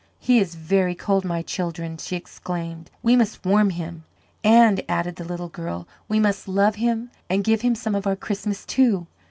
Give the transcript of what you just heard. "He is very cold, my children," she exclaimed. "We must warm him." "And," added the little girl, "we must love him and give him some of our Christmas, too."